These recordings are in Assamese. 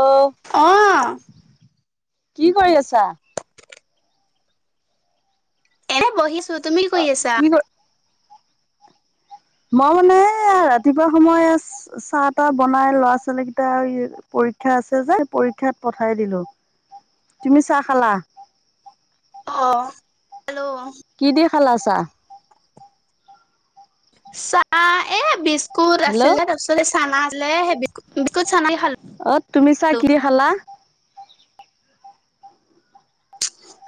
অেল' অ কি কৰি আছা? এনে বহিছো। তুমি কৰি আছা? কি ক মই মানে ৰাতিপুৱা সময় চাহ তাহ বনাই লৰা ছোৱালী কেইটা পৰক্ষা আছে যে পৰীক্ষাত পঠাই দিলো। তুমি চাহ খালা? অ, হেল্ল' কি দে খালাছা? চাহ এ বিস্কুট হেল্ল' আছিলে তাৰপিছত এই চানা আছিলেেই বিস্ অ, তুমি চা কি খালা?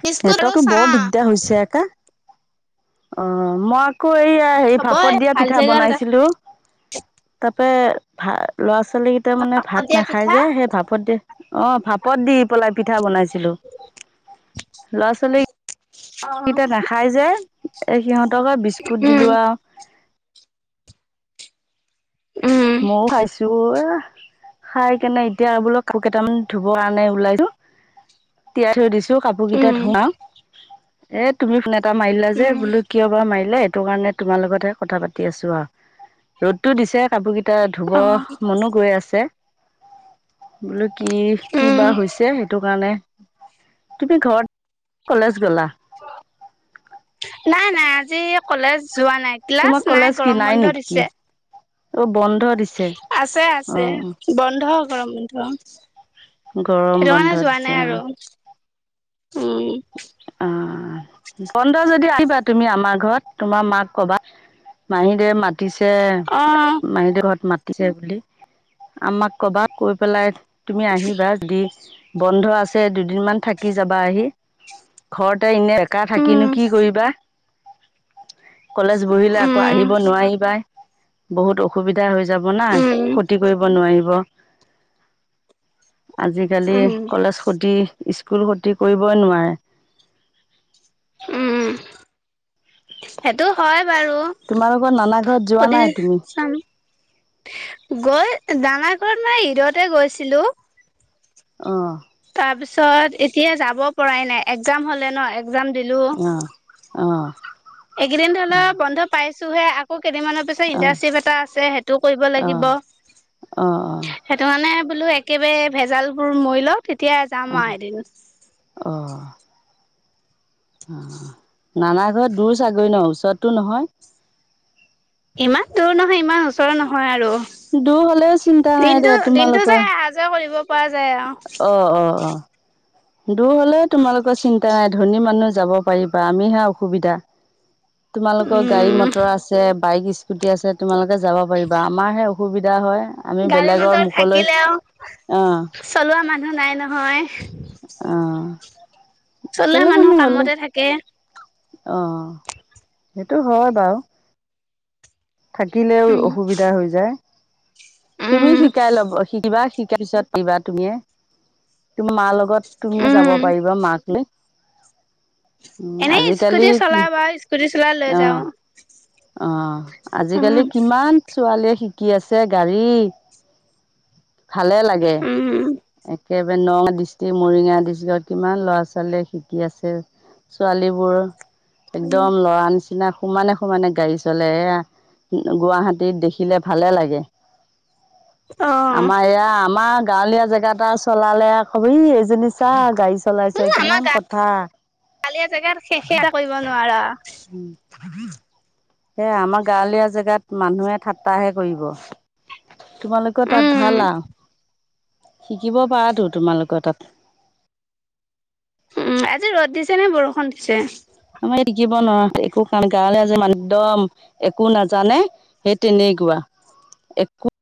বিস্কুট আৰু নটকো চাহ বৰ দিগদাৰ হৈছে আকা অ, ম আকৌ এইয়া হে হবই ভাপত দিয়া ভাল পিঠা জেগাত এটা বনাইছিলো তাৰাপে ভ ল'ৰা ছোৱাল ছোৱালী কেইটা মানে ভাত দিয়া নাখাই পিঠা যে সেই ভাপত দিয়ে অ ভাপত দি পলাই পিঠা বনাইছিলো ল'ৰা ছোৱালী অ কেতিয়া নাখাই যে এ সিহঁতকে বিস্কুত দিলো উম আৰু উম মও খাইছো এ খাই কেনে এতিয়া আৰু বোলো ক কেইটামান ধুব কাৰ নাই ওলাইছো তিয়াই থৈ দিছো কাপোৰ কেইটা উম ধোৱাও এ তুমি ফোন এটা মাৰিলা যে উম বোলো কিয় বাাৰ মাৰিলা কাৰণে তোমাৰ লগতে কথা পাতি আছো আৰু ৰ'দো দি ক এটা অ ধুবৰ মনো গৈ আছে। বোলো কি কি উম বা হৈছে সেইটো কাৰণে তুমি ঘৰ কলেজ গলা নাই নাই আজি কলেজ যোৱা নাই ক্লাছ তোমাৰ নাই কলেজ কি গৰম বন্ধ নেকি দিছে। অ বন্ধ দিছে আছে, অ আছে বন্ধ গৰম বন্ধ। গৰম সেইটো বন্ধ কাৰণে যোৱা দিছে নাই অ আৰু উম অ, বন্ধ যদি আহ, তুমি আমাৰ ঘৰত তোমাৰ মাক কবা মাহী দে মা পাতিছে অ মাহীদউ ঘৰত মা ছে বুলি আমাক কবাত কৈ পেলাই তুমি আহিবা য দি বন্ধ আছে দুদিন মান থাকি যাবা আহি ঘৰত এই এনে এককা থাকিনো উম কি কৰিবা। কলেজ বহিলে আকৌ উম আহিব নোৱাৰি পাই বহুত অসুবিধা দিগদাৰ হৈ যাব না উম ক্ষতি কৰিব নোৱাৰিব। আজিকালি উম, কলেজ খতি স্কুল খতি কৰিবই নোৱাৰে। উম, সেইটো হয় বাৰু তোমালোকৰ নানা ঘৰত যোৱা সুধি নাই তুমি চাম। গৈ দানা ঘৰত মই ঈদতে গৈছিলো। অ, তাৰ পিছত এতিয়া যাব পৰাই নাই এক্জাম হলে ন একগ্জাম দিলো। অ অ অ এইকেইদিন ধৰি লও বন্ধ পাইছোহে আকৌ কেইদিন মানৰ পিছত অ অ ইন্টাৰ্নশ্বিপ এটা আছে সেইটো কৰিব লাগিব অ সেইটো মানে বোলো একেবাৰে ভেজাল বোৰ মৰি লও তেতিয়া যাম অ আৰু এদিন অ অ অ, নানা ঘৰত দূৰ ছাগৰি ন ওচৰতটো নহয়? ইমান দূৰ নহয় ইমান ওচৰ নহয় আৰু দূৰ হ'লেও চিন্তা নাই দে দিনটো দিনতটো তোমালোকৰ যে এহ যি কৰিব পোৱা অ' অ' যায় অ' দূৰ হলেও তোমালোকৰ চিন্তা নাই ধনী মানুহ যাব পাৰিবা আমিহে অসুবিধা তোমালোকৰ গাড়ী উম, মটৰ আছে বাইক স্কুটি আছে তোমালোকে যাব পাৰিবা আমাৰ হে অসুবিধা হয় আমি গাড়ী বেলেগৰ মটৰ মুখলৈ থাকিলেও অ' চলোৱা মানুহ নাই নহয় অ চলোৱা চল মানুহ পানো হল কামতে থাকে অ সেইটো হয় বাৰু থাকিলেও উম অসুবিধা হৈ যায় তুমি উম শিকাই ল'ব শিকিবা শিকাই পিছত দিবা তুমিয়ে তোমাৰ মাৰ লগত তুমি যাব উম পাৰিবা মাক লৈ উ এনেই আজিকালি স্কুটি কি চলাই বা স্কুটি চলাই লৈ অ যাও অ আজিকালি উম কিমান ছোৱালীয়ে শিকি আছে গাড়ী ভালে লাগে উম একেবাৰে নগাঁ ডিষ্ট্ৰিক্ট মৰিগা ডিষ্ট্ৰিক্টৰ কিমান ল'ৰা ছোৱালীয়ে শিকি আছে ছোৱালী বোৰ একদম লৰা নিচিনা সমানে সমানে গাড়ী চলে এয়া গুৱাহাটীত দেখিলে ভালে লাগে অ আমাৰ এয়া আমাৰ গাঁৱলীয়া জেগা া এটা চলালে আকবি এইজনী চা গাড চলাইছে উম আমাৰ কিমান কথা গাঁৱলীয়া জেগাত শেষে কৰিব নোৱাৰা উম সে আমাৰ গাঁৱলীয়া জেগাত মানুহে ঠাট্টাহে কৰিব তোমালোকেও তাত উম ভালা শিকিব পাৰাতো তোমালোকৰ তাত উম আজি ৰদ দিছে নে বৰষুণ দিছে শিকিব নোৱাৰ একো কাম গৱলে আজি ম একদম একো নাজানে সেই তেনে কুৱা একো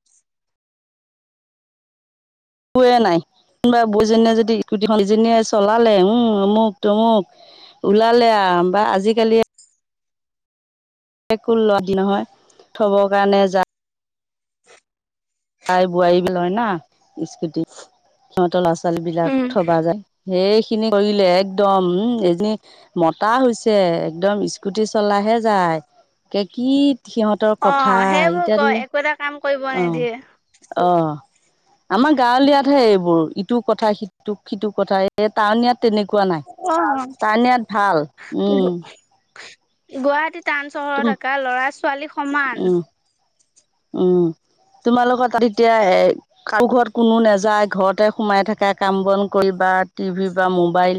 একোৱে নাই কোনোবা বৈজনীয়ে যদি স্কুটিখন সজনীয়ে চলালে উম অমুক তমুক ওলালে আৰু বা আজিকালি ো ল নহয় থব কাৰণে যায় তাই বোৱাৰী বি লয় না স্কুটি সিহঁতৰ ল'ৰা ছোৱালী বিলাক উম থবা যায় সেইখিনি কৰিলে একদম উ এজনী ম কটা হৈছে একদম স্কুটি চলাহে যায় কে কি সিহঁতৰ অ কথা সেইবোৰ কয় ইতয়াদে একো এটা কাম কৰিব অ নিদিয়ে অ আমাৰ গাঁৱলীয়াতহে এইবোৰ ইটো কথা সিট সিটো কথা এই টাউন ইাত তেনেকুৱা নাই অ তাৰণ ইয়াত ভাল উম গুৱাহাটী টাউান চহৰত তুম থকা ল'ৰা ছোৱালী সমান অ তোমালোকৰ তাত এতিয়া এ কাৰো ঘৰত কোনো নাযায় ঘৰতে সোমাই থাককা কাম বন কৰি টিভি বা মোবাইল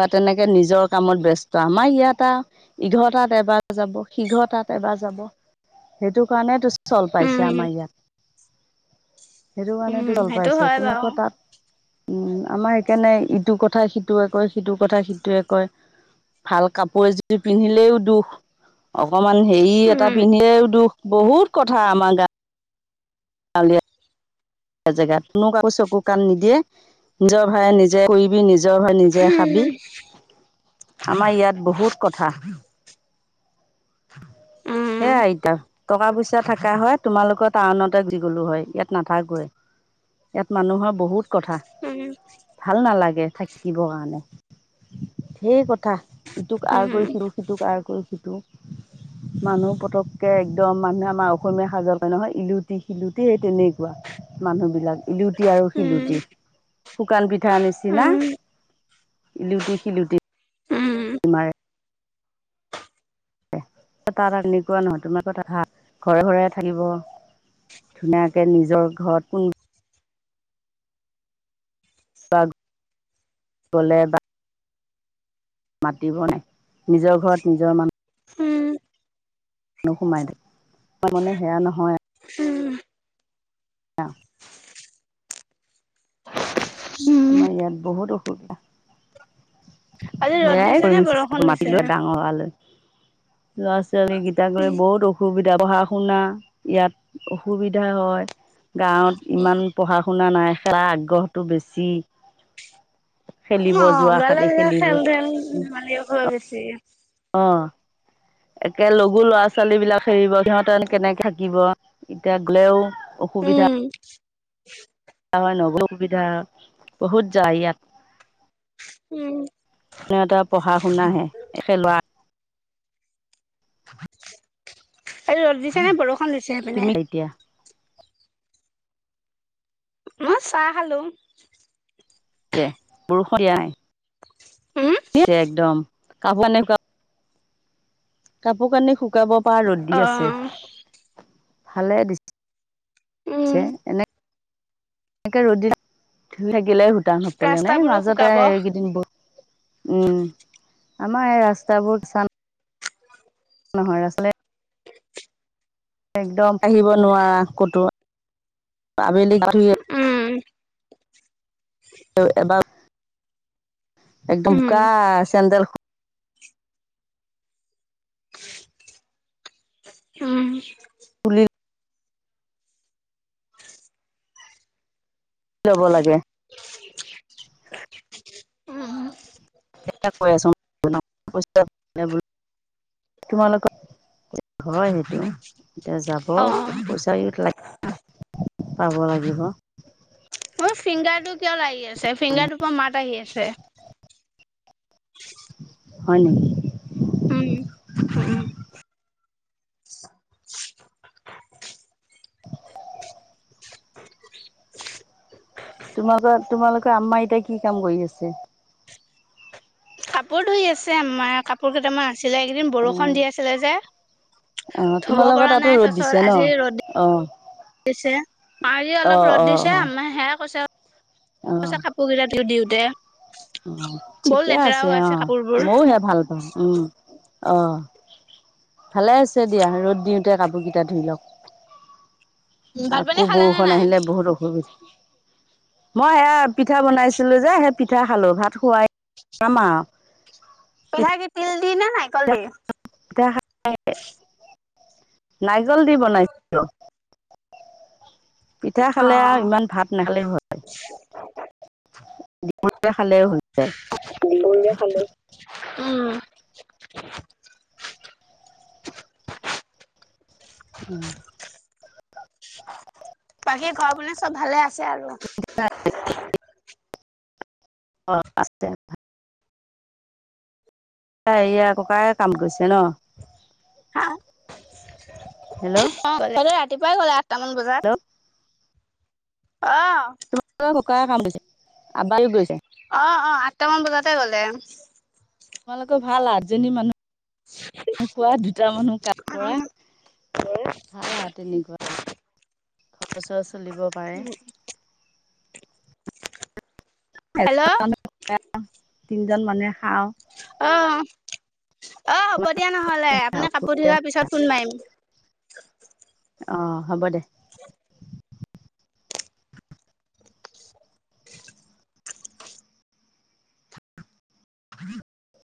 বা তেনেকে নিজৰ কামত ব্য্স্ত আমাৰ ইয়াতে আৰু ইঘৰটাত এবাৰ যাব সিঘৰটাতে এবাৰ যাব সেইটো কাৰণে ত চল পাইছে উম আমাৰ ইয়াত সেইটো কাৰণো উম জল সেইটো পাইছে হয় তুমি আ বাৰু কৌ তাত উম আমাৰ সেইকাৰণে ইটো কথা সিটোৱে কয় সিটো কথা সিটোৱে কয় ভাল কাপোৰ এযোৰ পিন্ধিলেও দুখ অ অকমান হেৰি এটা উম পিন্ধিলেও দুখ বহুত কথা আমাৰ গা চালে জেগাত কনো কাকো চকু কাণ নিদিয়ে নিজৰ ভায়ে নিজে কৰিবি নিজে নিজৰ হৈ নিজে খাবি উম আমাৰ ইয়াত বহুত কথা উম, সেই আতা টকা পইচা থাককা হয় তোমালোকৰ টাউনতে দিি গলো হয় ইয়াত নাথাকৈ ইয়াত মানুহৰ বহুত কথা আজি ভাল নালাগে থাকিব কাৰণে স কথা কাহ ইটোক আৰ কৰিছিলোঁ সিটোক আৰ কৰি সিটো মানুহ পটককৈ একদম মানুহে আমাৰ অসমীয়া সাজৰ প নহয় ইলুটি শিলুটি সেই তেনেকুৱা মানুহবিলাক ইলুটি আৰু শিলুটি শুকান পিঠা আনিছিনাা ইিলোতে খিলোতে তাত এনেকুৱা নহয় তোমাৰ কথা ভ ঘৰে ঘৰে থাকিব ধুনীয়াকে নিজৰ ঘৰত কোন গলে বা মাতিব ন নিজৰ ঘৰত নিজৰ মানুহ উম মানুহ সোমাই দে ত মান সেয়া নহয় অ আমাৰ ইয়াত বহুত অসুবিধা ৰ'দ সয়াই দিছে নে কৰিম চেষ্টা বৰষুণ কৰি দিছে? মাতিলো ডাঙৰালৈ ল'ৰা ছোৱালী গীটাক লৈ বহুত অসুবিধা পঢ়া-শুনা ইয়াত অসুবিধা হয় গাঁৱত ইমান পঢ়া শুনা নাই খেলা আগ্ৰহটো বেছি। ন খেলিব যোৱা খালি [unintelligible] খেলিব খেল ধেল ধেমালি খোৱা বেছি অ একে লগু লৰা ছোৱালী বিলাক হেৰিব সিহঁতে কেনেকে থাকিব এতিয়া গলেও অসুবিধা উম, [inaudible] [unintelligible] বহুত যায় ইয়াত উম, [inaudible] [unintelligible] পঢ়া-শুনাহে একে লৰা আৰু ৰ'দ দিছে নে বৰষুণ দিছে তুমি সেইপিনে? এতিয়া মই চাহ খালোঁ। বৰষুণ নাই, উম, [inaudible] একদম কাপোৰ-কানি শুকাব কাপোৰ কানি শুকাব পৰা ৰ'দ দি আছে অ', ভালে উম, দিছে। [inaudible] এনে এনেকে ৰ'দ [inaudible] থাকিলে। [unintelligible] নে ৰাস্তাবোৰো মাজতে শুকাব। এইকেইদিন বহ উম আমাৰ ৰাস্তাবোৰ চান। নহয় আচলতে একদম আহিব নোৱাৰা কতো আবেলি উম, এবাৰ। একদম উম, বোকা চেন্দেল উম। তুলি লব লাগে [inaudible] অম কৈ আছো [unintelligible] তোমালোকৰ, হয় সেইটো এতিয়া যাব অ'। পইচা ই লাগ পাব লাগিব। মোৰ ফিংগাৰটো কিয় লাৰি আছে ফিংগাৰটোৰ পৰা মাত আহি আছে। হয় নেকি? উম উ উম [inaudible] [inaudible] তোমালোকে আম্মাই এতিয়া কি কাম কৰি আছে? কাপোৰ ধুই আছে আম্মাই কাপোৰ কেইটামান আছিলে এইকেইদিন অ বৰষুণ দি আছিলে যে। অ ধুব তোমালোকৰ পৰা নাই তাতো ৰ'দ তাৰছত দিছে ন? আজি ৰ'দ অঁ। দিছে পাৰি অলপ ৰ'দ অ দিছে অ আম্মাই সেয়াই কৈছে। [inaudible] অ কৈছে কাপোৰকেইটা ধুই দিও দে। অ ঠিকে আছে অ মইওহে ভাল পাওঁ উম। অ ভালেই আছে দিয়া ৰ'দ দিওঁতে কাপোৰকেইটা ধুই লও। ভাত আকৌ পানী খালে নে বৌষন নাই আহিলে বহুত অসুবিধা। মই সেয়া পিঠা বনাইছিলোঁ যে সেই পিঠা খালোঁ ভাত খুৱাই [inaudible] খাম আও পিঠাই কি তিল দি নে নাৰিকল দি। [unintelligible] নাৰিকল দি বনাইছিলোঁ। পিঠা অ খালে আ ইমান ভাত নাখালে হয় [unintelligible] খালেও হৈ যায়। খালোঁ, উম। [unintelligible] [inaudible] উম বাকী ঘৰৰ পিনে চব ভালে আছে আৰু [unintelligible] এ এয়া ককায়ে কাম কৰিছে ন? হেল্ল' অ' গ'লে ৰাতিপুৱাই গ'লে আঠটামান বজাত। অঁ, ককায়ে কাম কৰিছে আবায়ো গৈছে অ' অ' আঠটামান বজাত ক গ'লে। তোমালোকৰ ভাল আঠজনী মানুহ। [inaudible] ম কোৱা দুটা মানুহ কাম কৰা ভাল আৰু তেনেকুৱা। [inaudible] খৰচ চলিব পাৰে। [inaudible] হেল্ল'। তিনিজন মানে অঁ অ হ'ব দিয়া নহ'লে আপুনি কাপোৰ ধুই অহাৰ পিছত ফোন মাৰিম। অ হ'ব দে। [inaudible] [inaudible]